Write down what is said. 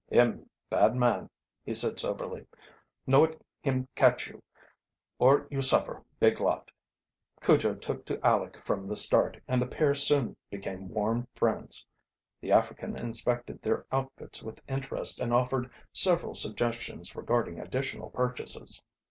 "Him bad man," he said soberly. "No et him catch you, or you suffer big lot!" Cujo took to Aleck from the start, and the pair soon became warm friends. The African inspected their outfits with interest and offered several suggestions regarding additional purchases.